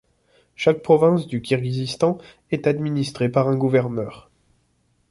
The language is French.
Chaque province du Kirghizistan est administrée par un gouverneur.